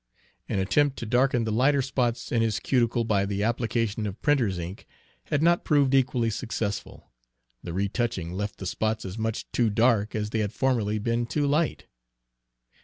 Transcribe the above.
An attempt to darken the lighter spots in his cuticle by the application of printer's ink had not proved equally successful, the retouching left the spots as much too dark as they had formerly been too light.